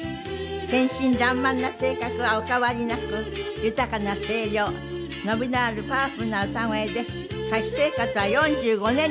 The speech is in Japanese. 天真爛漫な性格はお変わりなく豊かな声量伸びのあるパワフルな歌声で歌手生活は４５年になります。